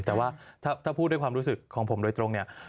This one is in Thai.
ถ้าพูดด้วยความรู้สึกของผมโดยตรง